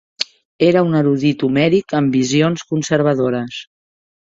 Era un erudit homèric amb visions conservadores.